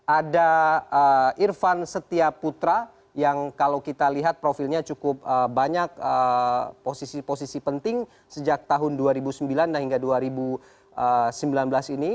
ada irfan setia putra yang kalau kita lihat profilnya cukup banyak posisi posisi penting sejak tahun dua ribu sembilan hingga dua ribu sembilan belas ini